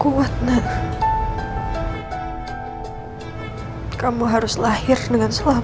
kna ryan what vivir seed birarku hanya bersexisting karena mustang dan kekerasan